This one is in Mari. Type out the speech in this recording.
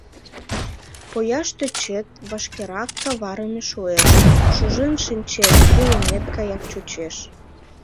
Пояш тӧчет — вашкерак каварыме шуэш, шужен шинчет — илымет гаяк чучеш.